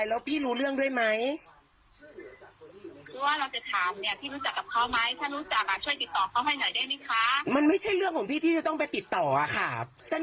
ก็แค่นี้ติดต่อไม่ได้